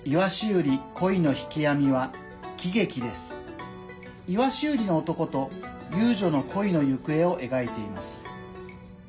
鰯売りの男と遊女の恋の行方を描いています。